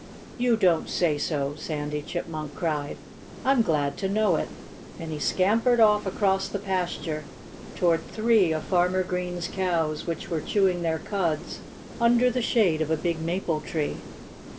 "You don't say so!" Sandy Chipmunk cried. "I'm glad to know it." And he scampered off across the pasture, toward three of Farmer Green's cows which were chewing their cuds under the shade of a big maple tree.